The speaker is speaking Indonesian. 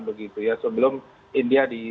begitu ya sebelum india di